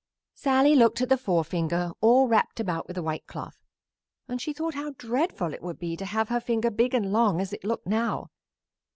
Sallie looked at the forefinger all wrapped about with the white cloth, and she thought how dreadful it would be to have her finger big and long as it looked now.